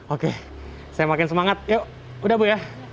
oke saya makin semangat yuk udah bu ya